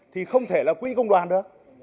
thì không thể là quỹ công đoàn nữa